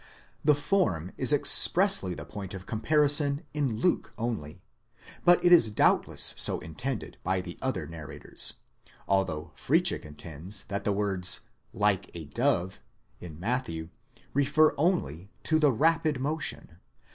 The form is expressly the point of comparison in Luke only, but it is doubtless so intended by the other narrators ; although Fritszche contends that the words like a dove, ὡσεὶ περιστερὰν, in Matthew refer only to the rapid motion.